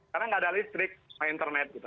karena nggak ada listrik nggak ada internet gitu